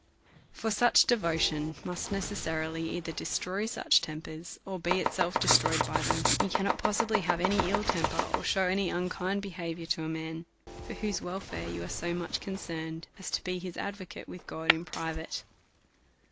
For such devotion must necessarily either de stroy such tempers, or be itself destroyed by them. You cannot possibly have any ill temper, or shew any unkind behaviour to a man for whose welfare you are so much concerned, as to be his advocate with God in private.